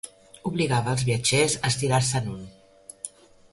Obligava els viatgers a estirar-se en un.